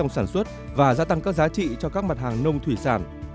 sản xuất và gia tăng các giá trị cho các mặt hàng nông thủy sản